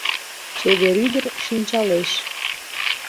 Чевер ӱдыр шинчалеш.